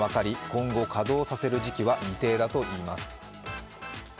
今後、稼働させる時期は未定だということです。